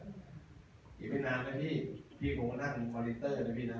อีกไม่นานแล้วพี่พี่ผมก็นั่งคอลลิเตอร์นะพี่นะ